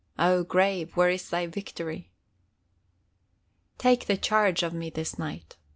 O grave, where is thy victory?" Take the charge of me this night.